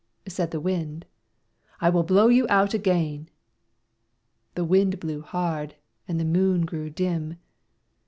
Said the Wind "I will blow you out again." The Wind blew hard, and the Moon grew dim.